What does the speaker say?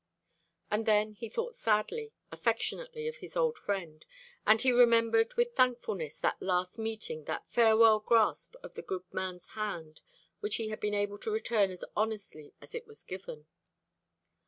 And then he thought sadly, affectionately, of his old friend; and he remembered with thankfulness that last meeting, that farewell grasp of the good man's hand which he had been able to return as honestly as it was given.